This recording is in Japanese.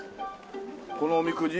このおみくじ？